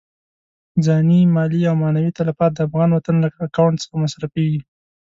ځاني، مالي او معنوي تلفات د افغان وطن له اکاونټ څخه مصرفېږي.